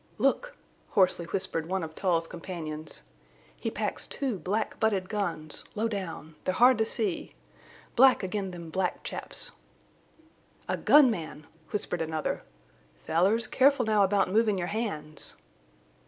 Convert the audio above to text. "Look!" hoarsely whispered one of Tull's companions. "He packs two black butted guns—low down—they're hard to see—black akin them black chaps." "A gun man!" whispered another. "Fellers, careful now about movin' your hands."